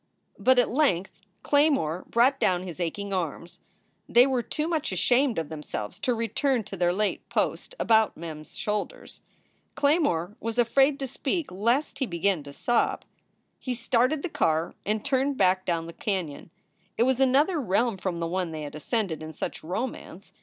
But at length Claymore brought down his aching arms. They were too much ashamed of themselves to return to their late post about Mem s shoulders. Claymore was afraid to speak lest he begin to sob. He started the car and turned back down the canon. It was another realm from the one they had ascended in such romance.